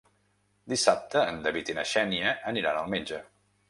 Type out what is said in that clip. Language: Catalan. Dissabte en David i na Xènia aniran al metge.